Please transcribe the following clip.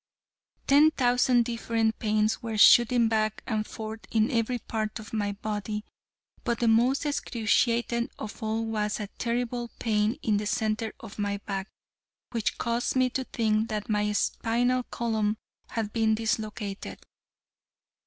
Ten thousand different pains were shooting back and forth in every part of my body, but the most excruciating of all was a terrible pain in the center of my back, which caused me to think that my spinal column had been dislocated.